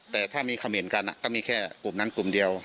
แต่ถ้ามีคำเห็นกันก็มีแค่กลุ่มนั้นกลุ่มเดียว